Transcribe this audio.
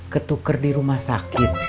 ketuker dirumah sakit